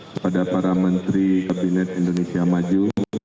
kepada para menteri kabinet indonesia maju